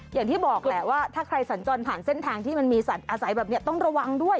อย่างที่บอกแหละว่าถ้าใครสัญจรผ่านเส้นทางที่มันมีสัตว์อาศัยแบบนี้ต้องระวังด้วย